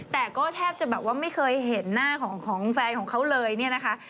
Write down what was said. แต่ก็แทบจะแบบว่าไม่เคยเห็นหน้าของแฟนของเขาเลยเนี่ยนะคะ